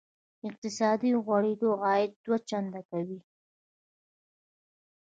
اقتصادي غوړېدا عاید دوه چنده کوي.